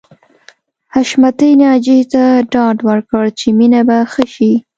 حشمتي ناجیې ته ډاډ ورکړ چې مينه به ښه شي